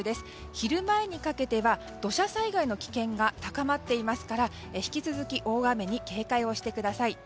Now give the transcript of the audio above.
昼前にかけては土砂災害の危険が高まっていますから引き続き、大雨に警戒をしてください。